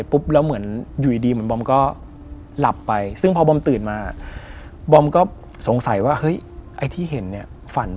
ใช่ครับ